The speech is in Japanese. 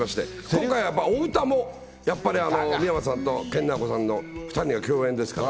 今回、お歌もやっぱり、三山さんと研ナオコさんの２人の共演ですから。